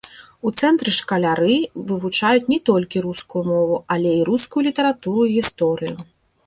У цэнтры шкаляры вывучаюць не толькі рускую мову, але і рускую літаратуру і гісторыю.